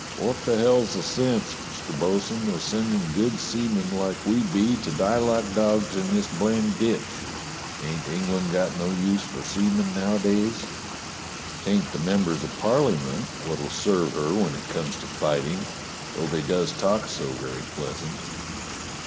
"What the hell's the sense, Mr. Bo'sun, of sending good seamen like we be to die like dogs in this blamed THE FIGHT 207 ditch ? Ain't England got no use for seamen nowadays ? 'Tain't the members of Parleyment wot'll serve her when it comes to fighting, though they does talk so very pleasant."